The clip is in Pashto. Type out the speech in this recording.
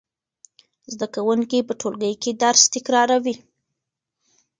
زده کوونکي په ټولګي کې درس تکراروي.